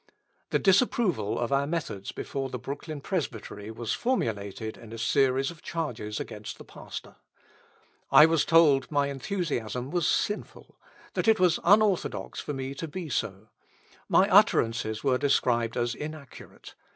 The disapproval of our methods before the Brooklyn Presbytery was formulated in a series of charges against the pastor. I was told my enthusiasm was sinful, that it was unorthodox for me to be so. My utterances were described as inaccurate.